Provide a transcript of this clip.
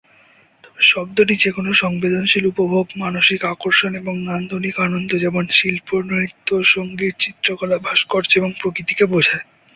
তবে, শব্দটি যেকোন সংবেদনশীল উপভোগ, মানসিক আকর্ষণ এবং নান্দনিক আনন্দ যেমন শিল্প, নৃত্য, সঙ্গীত, চিত্রকলা, ভাস্কর্য এবং প্রকৃতিকে বোঝায়।